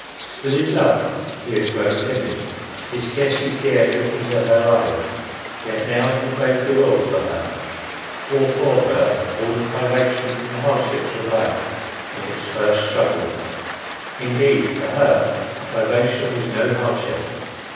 With his love he had grown timid; he scarcely dared look into her eyes; yet now he braved the world for her; bore for her all the privations and hardships of life in its first struggle. Indeed, for her, privation was no hardship.